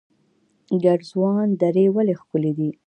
ګرزوان درې ولې ښکلې دي؟